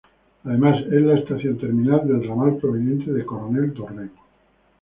Además, es la estación terminal del ramal proveniente de Coronel Dorrego.